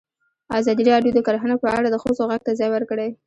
ازادي راډیو د کرهنه په اړه د ښځو غږ ته ځای ورکړی.